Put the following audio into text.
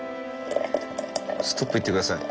ストップ言ってください。